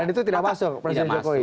dan itu tidak masuk presiden jokowi ya